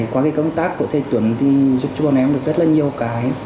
qua cái công tác của thầy tuấn thì giúp cho bọn em được rất là nhiều cái